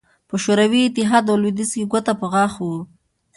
په شوروي اتحاد او لوېدیځ کې ګوته په غاښ وو